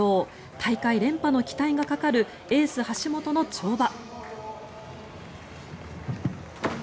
大会連覇の期待がかかるエース、橋本の跳馬。